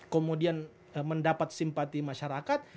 kemudian mendapat simpati masyarakat